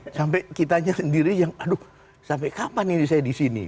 sampai kitanya sendiri yang aduh sampai kapan ini saya di sini